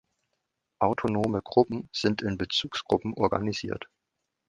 Autonome Gruppen sind in Bezugsgruppen organisiert.